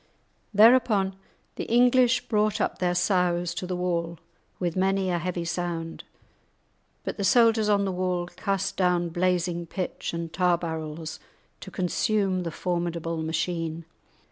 Thereupon the English brought up their sows[#] to the wall with many a heavy sound, but the soldiers on the wall cast down blazing pitch and tar barrels, to consume the formidable machine.